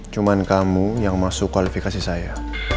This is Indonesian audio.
cuma kamu yang masuk kualifikasi saya